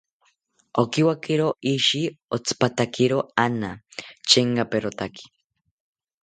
Okiwakiro ishi otzipatakiro ana, chengaperotaki